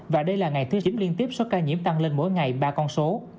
và đây là ngày thứ chín liên tiếp số ca nhiễm tăng lên mỗi ngày ba con số